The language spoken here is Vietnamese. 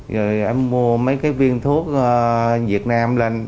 rồi em mua mấy cái viên thuốc việt nam lên